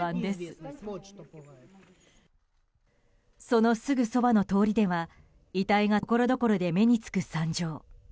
そのすぐそばの通りでは遺体がところどころで目に付く惨状。